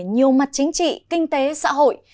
nhiều mặt chính trị kinh tế xã hội